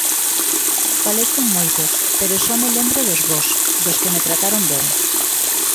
Falei con moitos, pero só me lembro dos bos, dos que me trataron ben.